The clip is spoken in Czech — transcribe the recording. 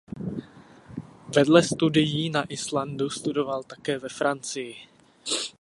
Vedle studií na Islandu studoval také ve Francii.